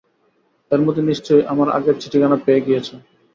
এর মধ্যে নিশ্চই আমার আগের চিঠিখানা পেয়ে গিয়েছ।